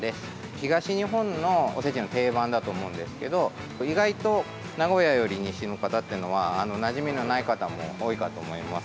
東日本のおせちの定番だと思うんですけど意外と名古屋より西の方はなじみのない方も多いと思います。